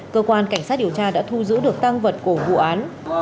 cơ quan cảnh sát điều tra đã thu giữ được tăng vật của vụ án